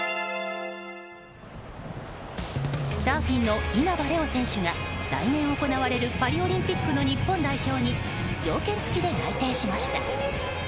サーフィンの稲葉玲王選手が来年行われるパリオリンピックの日本代表に条件付きで内定しました。